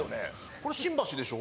これ新橋でしょ？